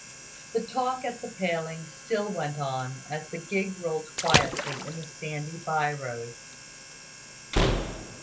The talk at the palings still went on, as the gig rolled quietly in the sandy by road.